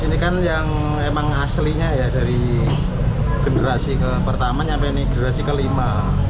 ini kan yang emang aslinya ya dari generasi pertama sampai generasi kelima